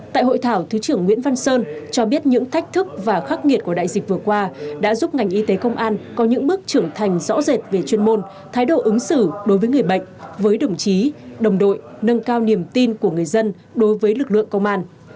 tại hội thảo thứ trưởng nguyễn văn sơn cho biết những thách thức và khắc nghiệt của đại dịch vừa qua đã giúp ngành y tế công an có những bước trưởng thành rõ rệt về chuyên môn thái độ ứng xử đối với người bệnh với đồng chí đồng đội nâng cao niềm tin của người dân đối với lực lượng công an